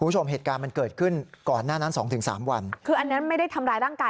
คุณผู้ชมเหตุการณ์มันเกิดขึ้นก่อนหน้านั้นสองถึงสามวันคืออันนั้นไม่ได้ทำร้ายร่างกาย